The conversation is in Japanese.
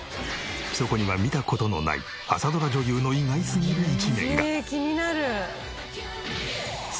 そこには見た事のない朝ドラ女優の意外すぎる一面が！